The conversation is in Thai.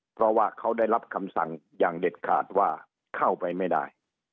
เพราะว่าเขาได้รับคำสั่งอย่างเด็ดขาดว่าเข้าไปไม่ได้